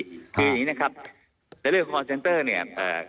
คืออย่างนี้นะครับในเรื่องคอร์เซนเตอร์เนี่ย